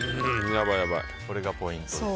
これがポイントですね。